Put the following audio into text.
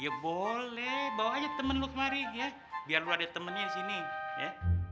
ya boleh bawa aja temen lo kemari ya biar lu ada temannya di sini ya